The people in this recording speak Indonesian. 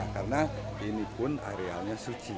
karena ini pun arealnya suci